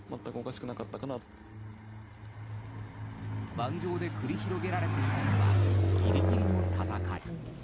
盤上で繰り広げられていたのはギリギリの戦い。